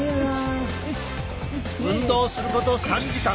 運動すること３時間。